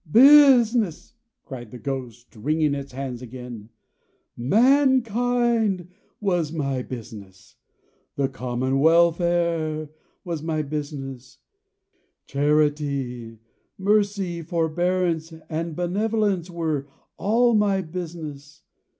"Business!" cried the Ghost, wringing its hands again. "Mankind was my business. The common welfare was my business; charity, mercy, forbearance, and benevolence, were, all my business.